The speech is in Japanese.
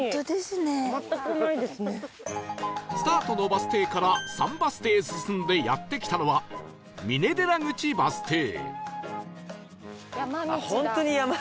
スタートのバス停から３バス停進んでやって来たのは峰寺口バス停